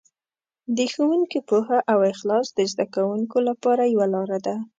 د ښوونکي پوهه او اخلاص د زده کوونکو لپاره یوه لاره ده.